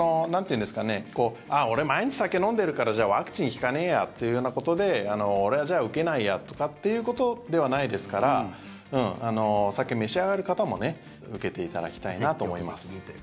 だから俺、毎日酒飲んでるからじゃあワクチン効かねえやっていうようなことで俺は、じゃあ受けないやとかっていうことではないですからお酒、召し上がる方も受けていただきたいと思います。